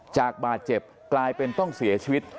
จากบาดเจ็บกลายเป็นต้องเสียชีวิต